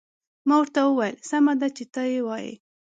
ما ورته وویل: سمه ده، چې ته يې وایې.